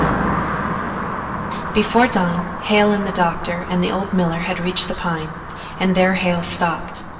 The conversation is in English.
XXXI Before dawn Hale and the doctor and the old miller had reached the Pine, and there Hale stopped.